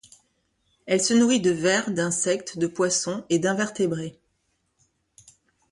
Elle se nourrit de vers, d'insectes, de poissons et d'invertébrés.